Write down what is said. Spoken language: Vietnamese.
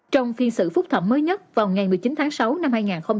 trong phiên sự phúc thẩm mới nhất vào ngày một mươi chín tháng sáu năm hai nghìn hai mươi